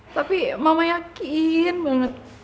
tapi mama yakin banget